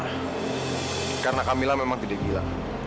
kamu mau ke rumah kamila memang tidak gila